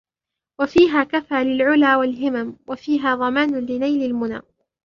وَفِيهَا كَفَا لِلْعُلَا وَالْهِمَمْ وَفِيهَا ضَمَانٌ لِنَيْلِ الْمُنَى